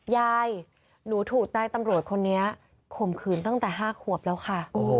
ยายหนูถูกนายตำรวจคนนี้ข่มขืนตั้งแต่๕ขวบแล้วค่ะ